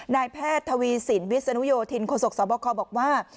นายแพทย์ทวีสินวิศนุโยธินโศกสบคบอกว่า